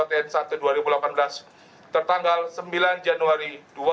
tertanggal sembilan januari dua ribu delapan belas